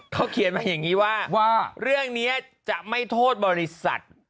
เขาเขียนมาอย่างนี้ว่าเรื่องนี้จะไม่โทษบริษัท